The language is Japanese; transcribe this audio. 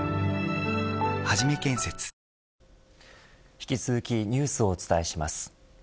引き続きニュースをお伝えします。